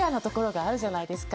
じゃないですか。